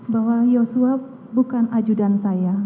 bahwa yosua bukan ajudan saya